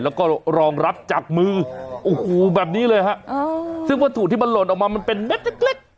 แล้วก็รองรับจากมือโอ้โหแบบนี้เลยฮะซึ่งวัตถุที่มันหล่นออกมามันเป็นเม็ดเล็ก